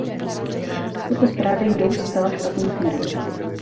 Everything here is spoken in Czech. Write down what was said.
Tyto zprávy jdou zcela špatným směrem.